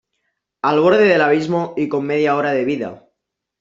al borde del abismo y con media hora de vida